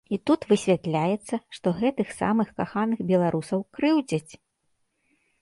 І тут высвятляецца, што гэтых самых каханых беларусаў крыўдзяць.